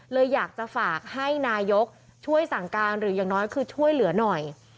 เลยอยากจะฝากให้นายกช่วยสั่งการหรืออย่างน้อยคือช่วยเหลือหน่อย